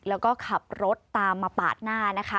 แล้วก็ขับรถตามมาปาดหน้านะคะ